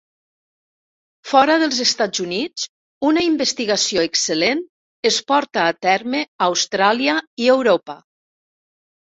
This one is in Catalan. Fora dels Estats Units, una investigació excel·lent es porta a terme a Austràlia i Europa.